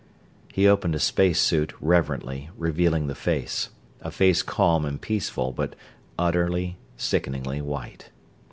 He opened a space suit reverently, revealing the face; a face calm and peaceful, but utterly, sickeningly white.